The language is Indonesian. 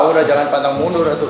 udah jangan pantang mundur